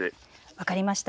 分かりました。